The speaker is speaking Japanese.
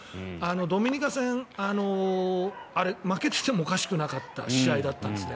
ドミニカ戦、負けていてもおかしくなかった試合でしたね。